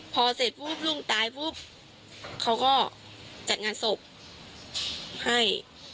พอเสร็จปุ๊บลูกตายปุ๊บเขาก็จัดงานศพให้